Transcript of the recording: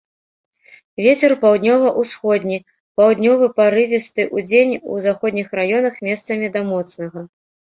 Вецер паўднёва-ўсходні, паўднёвы парывісты, удзень у заходніх раёнах месцамі да моцнага.